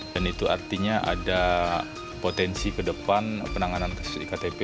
dan itu artinya ada potensi ke depan penanganan kasus iktp